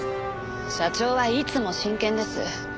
社長はいつも真剣です。